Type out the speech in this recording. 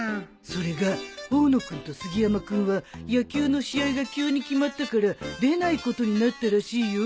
それが大野君と杉山君は野球の試合が急に決まったから出ないことになったらしいよ。